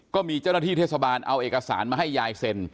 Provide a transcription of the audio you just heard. ก็มีเจ้าหน้าที่เทศบาลเอาเอกสารมาให้ยายเซ็น